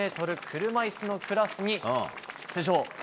車いすのクラスに出場。